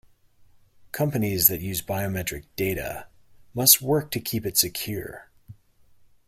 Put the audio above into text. Companies that use biometric data must work to keep it secure.